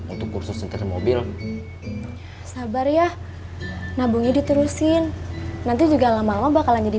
untuk kursus untuk mobil sabar ya nabungnya diterusin nanti juga lama lama bakalan jadi